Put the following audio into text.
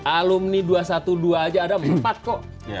alumni dua ratus dua belas aja ada empat kok